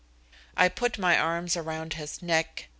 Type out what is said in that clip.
I put my arms around his neck.